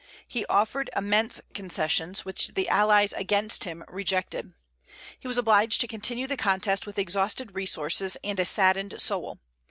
He offered immense concessions, which the allies against him rejected. He was obliged to continue the contest with exhausted resources and a saddened soul.